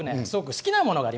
好きなもの。